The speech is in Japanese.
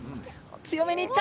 強めにいった。